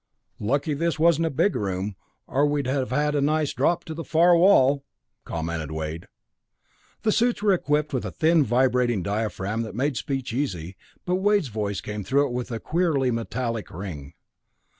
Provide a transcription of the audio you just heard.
"Lucky this wasn't a big room, or we'd have had a nice drop to the far wall!" commented Wade. The suits were equipped with a thin vibrating diaphragm that made speech easy, but Wade's voice came through with a queerly metallic ring.